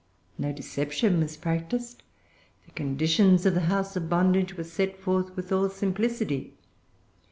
No deception was practised. The conditions of the house of bondage were set forth with all simplicity.